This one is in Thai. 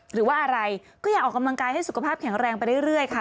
หรือว่าอะไรก็อยากออกกำลังกายให้สุขภาพแข็งแรงไปเรื่อยค่ะ